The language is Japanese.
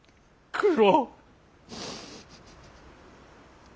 九郎！